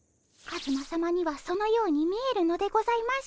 カズマさまにはそのように見えるのでございましょう。